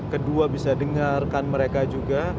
kedua bisa dengarkan mereka juga